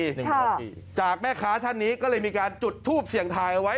หนึ่งนาทีจากแม่ค้าท่านนี้ก็เลยมีการจุดทูปเสี่ยงทายเอาไว้